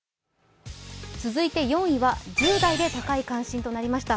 続いて４位は１０代で高い関心となりました。